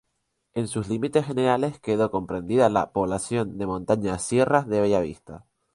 En sus límites generales quedó comprendida la ""Población de Montañas Sierras de Bellavista"".